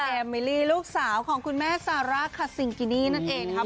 มิลี่ลูกสาวของคุณแม่ซาร่าคาซิงกินี่นั่นเองนะครับ